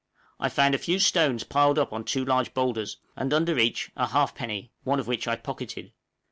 I found a few stones piled up on two large boulders, and under each a halfpenny, one of which I pocketed.